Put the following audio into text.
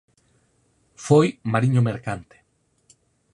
Foi mariño mercante.